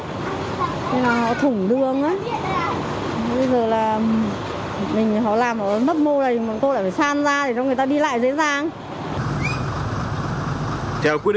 nên là họ thủng đường á